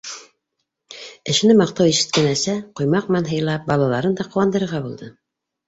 Эшенә маҡтау ишеткән әсә, ҡоймаҡ менән һыйлап, балаларын да ҡыуандырырға булды.